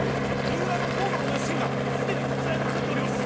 三浦の剛の者１，０００が既にこちらに向かっております。